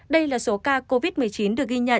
đây là số ca covid một mươi chín được ghi nhận